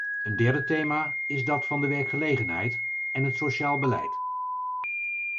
Een derde thema is dat van de werkgelegenheid en het sociaal beleid.